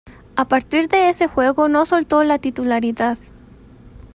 A partir de ese juego no soltó la titularidad.